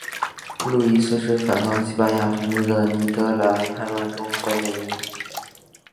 路易斯是反抗西班牙统治的尼德兰叛乱中关键人物。